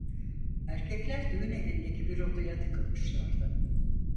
Erkekler düğün evindeki bir odaya tıkılmışlardı.